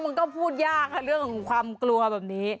มันก็พูดยากค่ะเรื่องของความกลัวแบบนี้